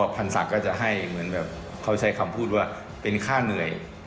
พรรษักรก็จะให้เขาใช้คำพูดว่าเป็นค่าเหนื่อย